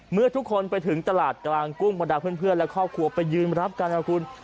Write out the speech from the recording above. เมื่อทุกคนไปถึงตลาดกลางกุ้งบรรดาเพื่อนและครอบครัวไปยืนรับกันนะคุณ